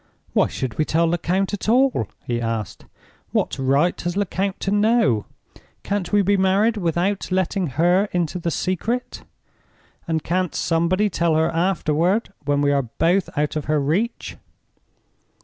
"Why should we tell Lecount at all?" he asked. "What right has Lecount to know? Can't we be married without letting her into the secret? And can't somebody tell her afterward when we are both out of her reach?"